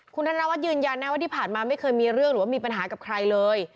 คุณธนวัฒน์ยืนยันนะว่าที่ผ่านมาไม่เคยมีเรื่องหรือว่ามีปัญหากับใครเลย